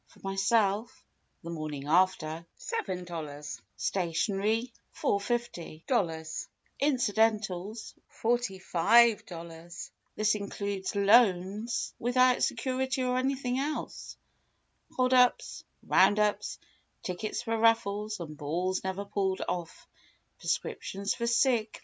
for myself (the morning after) . 7 00 Stationery. 4 50 Incidentals . 45 00 (This includes "loans" (?) without security or anything else, hold ups, round ups, tickets for raffles and balls never pulled off, prescriptions for "sick"